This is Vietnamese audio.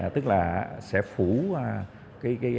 tức là sẽ phủ hệ thống